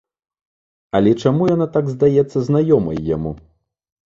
Але чаму яна так здаецца знаёмай яму?